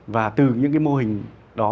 và từ những cái mô hình đó